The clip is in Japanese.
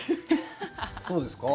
そうですか？